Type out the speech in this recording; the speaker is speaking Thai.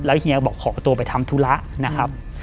เฮียบอกขอตัวไปทำธุระนะครับ